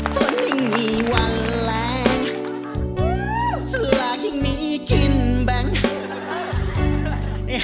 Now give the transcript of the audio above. สลากยังมีกลิ่นแบ่ง